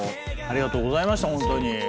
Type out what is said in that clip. ありがとうございました本当に。